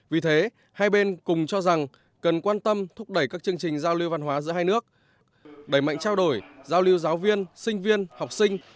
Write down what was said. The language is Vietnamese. vì thế hai bên cùng cho rằng cần quan tâm thúc đẩy các chương trình giao lưu văn hóa giữa hai nước đẩy mạnh trao đổi giao lưu giáo viên sinh viên học sinh